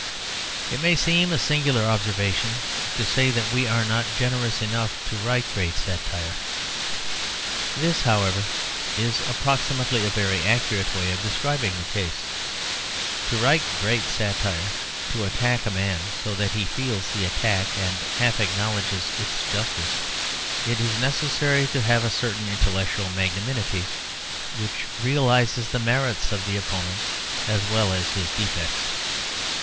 It may seem a singular observation to say that we are not generous enough to write great satire. This, however, is approximately a very accurate way of describing the case. To write great satire, to attack a man so that he feels the attack and half acknowledges its justice, it is necessary to have a certain intellectual magnanimity which realises the merits of the opponent as well as his defects.